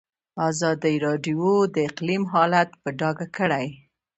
ازادي راډیو د اقلیم حالت په ډاګه کړی.